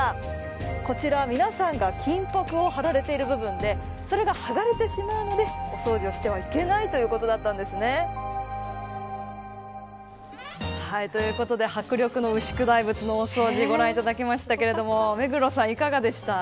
こちら皆さんが金ぱくを貼られている部分でそれが剥がれてしまうので掃除をしてはいけないということだったんですね。ということで迫力の牛久大仏の大掃除でしたが目黒さん、いかがでした。